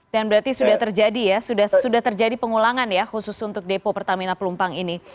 dan berarti sudah terjadi ya sudah terjadi pengulangan ya khusus untuk depo pertamina pelumpang ini